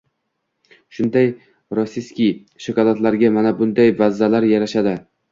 Shunday rossiykiy shokoladlarga mana bunday vazalar yarashadi